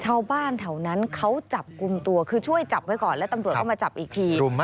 ชาวบ้านแถวนั้นเขาจับกลุ่มตัวคือช่วยจับไว้ก่อนแล้วตำรวจก็มาจับอีกที